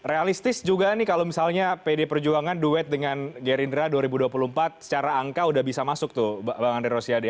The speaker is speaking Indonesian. realistis juga nih kalau misalnya pd perjuangan duet dengan gerindra dua ribu dua puluh empat secara angka sudah bisa masuk tuh bang andre rosiade